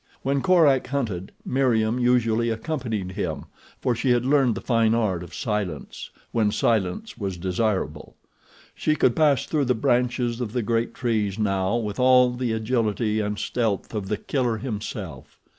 When Korak hunted, Meriem usually accompanied him, for she had learned the fine art of silence, when silence was desirable. She could pass through the branches of the great trees now with all the agility and stealth of The Killer himself.